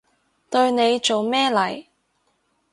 對你做咩嚟？